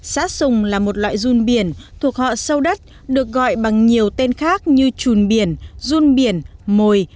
xã sùng là một loại run biển thuộc họ sâu đất được gọi bằng nhiều tên khác như trùn biển run biển mồi